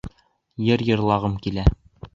Йыр йырлағым килә.